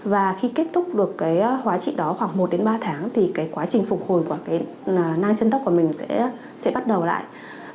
và khi kết thúc được hóa trị đó khoảng một ba tháng thì quá trình phục hồi của nang chân tóc của mình sẽ bắt đầu lại